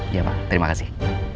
iya pak terima kasih